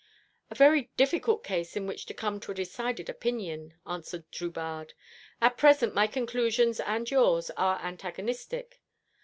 "A very difficult case in which to come to a decided opinion," answered Drubarde. "At present my conclusions and yours are antagonistic.